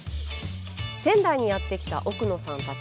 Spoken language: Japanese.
仙台にやって来た奥野さんたち。